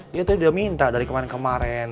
dia tuh udah minta dari kemarin kemarin